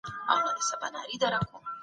ځلېدونکي د بلوړ ټوټې لوېدلي